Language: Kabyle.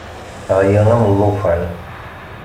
Ɛyiɣ am llufan.